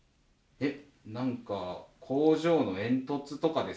えっ⁉